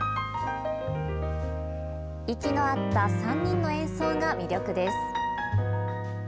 息の合った３人の演奏が魅力です。